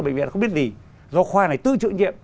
bệnh viện không biết gì do khoa này tư trợ nhiệm